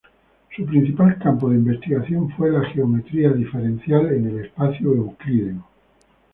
Su principal campo de investigación fue la geometría diferencial en el espacio euclídeo.